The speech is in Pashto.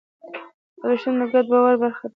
ارزښتونه د ګډ باور برخه ده.